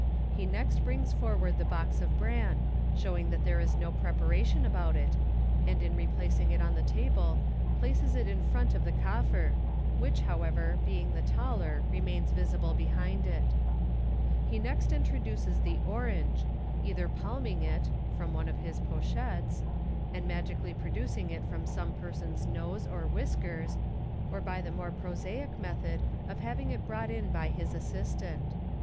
He next brings forward the box of bran, showing that there is no preparation about it, and in replac ing it on the table, places it in front of the coffer, which, however, being the taller, remains visible behind it. He next introduces the orange, either palming it (from one of his pochettes), and magically pro ducing it from some person's nose or whiskers, or by the more pro saic method of having it brought in by his assistant.